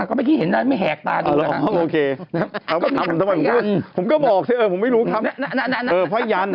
ก็เห็นไม่แแหกตาหน่อย